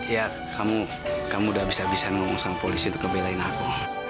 ya kamu kamu udah abis abisan ngomong sama polisi tuh ngebelain aku